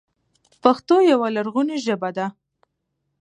پښتو يوه لرغونې ژبه ده،